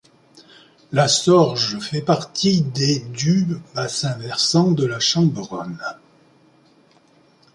La Sorge fait partie des du bassin versant de la Chamberonne.